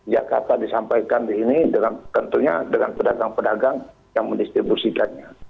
jakarta disampaikan di sini dengan tentunya dengan pedagang pedagang yang mendistribusikannya